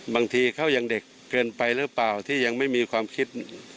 บางทีเขายังเด็กเกินไปหรือเปล่าที่ยังไม่มีความคิด